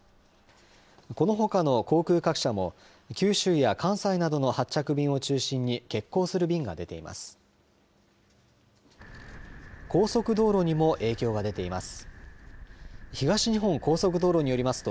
このほかの航空各社も九州や関西などの発着便を中心に欠航する便が出ています。